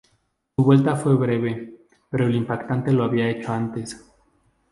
Su vuelta fue breve, pero lo impactante lo había hecho antes.